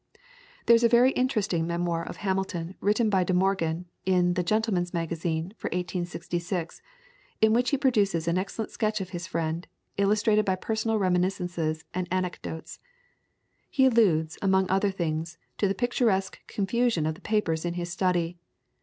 There is a very interesting memoir of Hamilton written by De Morgan, in the "Gentleman's Magazine" for 1866, in which he produces an excellent sketch of his friend, illustrated by personal reminiscences and anecdotes. He alludes, among other things, to the picturesque confusion of the papers in his study.